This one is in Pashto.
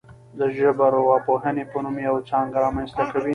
د ژبارواپوهنې په نوم یوه څانګه رامنځته کوي